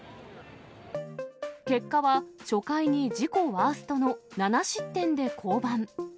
結果は、初回に自己ワーストの７失点で降板。